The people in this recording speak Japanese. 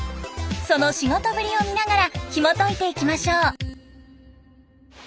その仕事ぶりを見ながらひもといていきましょう。